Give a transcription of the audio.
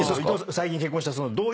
最近結婚した。